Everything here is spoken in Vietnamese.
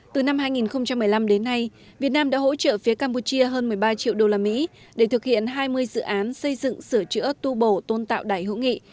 từ năm hai nghìn một mươi năm đến nay việt nam đã hỗ trợ phía campuchia hơn một mươi ba triệu usd để thực hiện hai mươi dự án xây dựng sửa chữa tu bổ tôn tạo đài hữu nghị